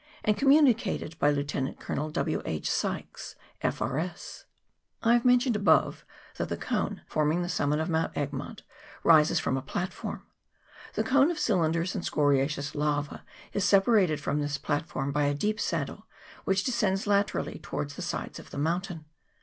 and communicated by Lieutenant Colonel W. H. Sykes, F.R.S. I have above mentioned that the cone, forming the summit of Mount Egmont, rises from a plat form. The cone of cinders and scoriaceous lava is separated from this platform by a deep saddle, which descends laterally towards the sides of the mountain.